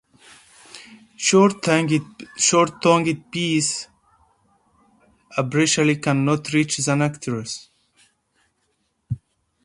Short-tongued bees apparently cannot reach the nectaries.